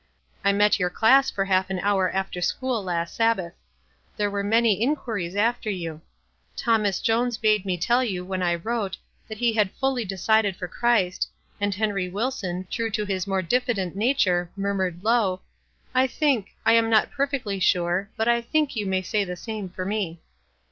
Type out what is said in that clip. I met your class for half an hour after school last Sabbath. There were many in quiries after you. Thomas Jones bade me tell you when I wrote that he had fully decided for Christ, and Henry Wilson, true to his more diffi dent nature, murmured low, f I think — I am not perfect^ sure, but I think you may say the same for me.'